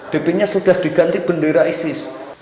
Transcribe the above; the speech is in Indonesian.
dp nya sudah diganti bendera isis